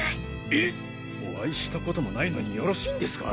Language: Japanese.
えっお会いしたこともないのによろしいんですか？